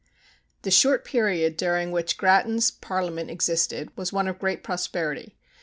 The short period during which Grattan's parliament existed was one of great prosperity.